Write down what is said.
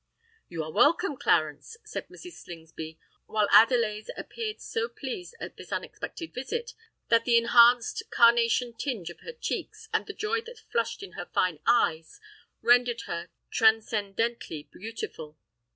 "You are welcome, Clarence," said Mrs. Slingsby, while Adelais appeared so pleased at this unexpected visit that the enhanced carnation tinge of her cheeks and the joy that flashed in her fine eyes rendered her transcendently beautiful.